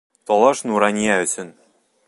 Талаш Нурания өсөн.